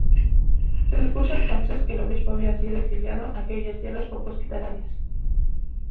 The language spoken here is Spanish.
Se supuso, entonces, que el obispo había sido exiliado a aquellas tierras poco hospitalarias.